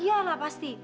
ya iya lah pasti